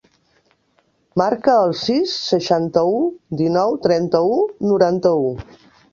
Marca el sis, seixanta-u, dinou, trenta-u, noranta-u.